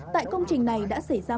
tại công trình này đã xảy ra